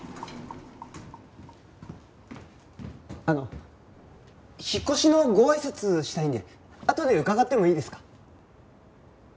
あの引っ越しのご挨拶したいんであとで伺ってもいいですか？